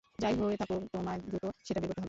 যাই হয়ে থাকুক, তোমায় দ্রুত সেটা বের করতে হবে।